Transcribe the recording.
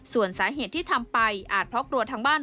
ส่วนสาเหตุที่ทำไปอาจเพราะกลัวทางบ้าน